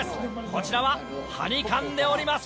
こちらははにかんでおります。